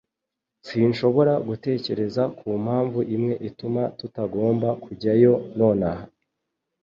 Sinshobora gutekereza kumpamvu imwe ituma tutagomba kujyayo nonaha.